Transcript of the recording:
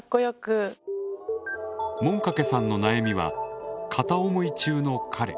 もんかけさんの悩みは「片思い中の彼」。